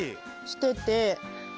してて。